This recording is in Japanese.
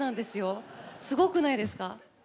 すごくないですか？